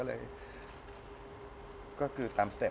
เลยก็คือตามสเต็ป